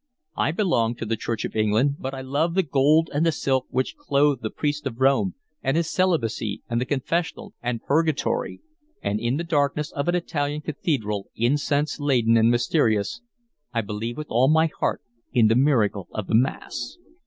"I belong to the Church of England. But I love the gold and the silk which clothe the priest of Rome, and his celibacy, and the confessional, and purgatory: and in the darkness of an Italian cathedral, incense laden and mysterious, I believe with all my heart in the miracle of the Mass.